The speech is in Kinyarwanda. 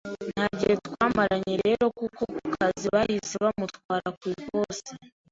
nta gihe twamaranye rero kuko ku kazi bahise bamutwara ku ikosi